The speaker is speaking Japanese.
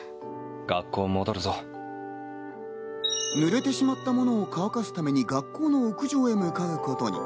濡れてしまったものを乾かすために学校の屋上へ向かうことに。